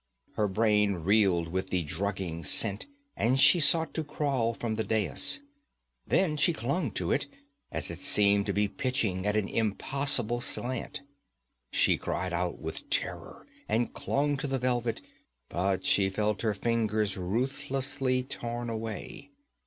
Her brain reeled with the drugging scent and she sought to crawl from the dais. Then she clung to it as it seemed to be pitching at an impossible slant. She cried out with terror and clung to the velvet, but she felt her fingers ruthlessly torn away.